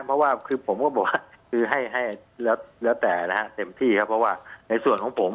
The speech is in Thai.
เพราะว่าคือผมก็บอกว่าคือให้แล้วแต่นะฮะเต็มที่ครับเพราะว่าในส่วนของผม